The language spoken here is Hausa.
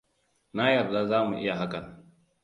Na yarda za mu iya hakan.